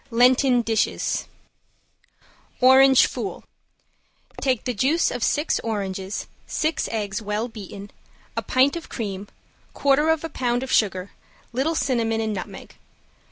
LENTEN DISHES ~ORANGE FOOL~ Take the juice of six oranges, six eggs well beaten, a pint of cream, quarter of a pound of sugar, little cinnamon and nutmeg.